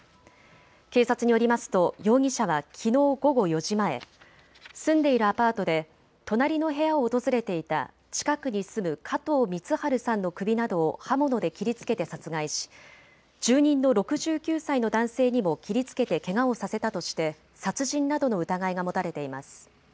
警察によりますと容疑者はきのう午後４時前、住んでいるアパートで隣の部屋を訪れていた近くに住む加藤光晴さんの首などを刃物で切りつけて殺害し住人の６９歳の男性にも切りつけてけがをさせたとして殺人などの疑いが持たれています。